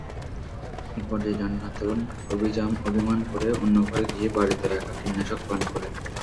একপর্যায়ে জান্নাতুন অভিমান করে অন্য ঘরে গিয়ে বাড়িতে রাখা কীটনাশক পান করে।